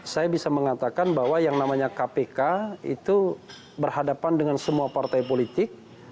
saya bisa mengatakan bahwa yang namanya kpk itu berhadapan dengan semua partai politik